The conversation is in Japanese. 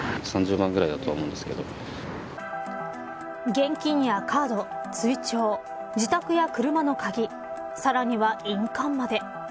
現金やカード、通帳自宅や車の鍵さらには印鑑まで。